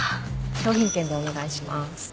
商品券でお願いします。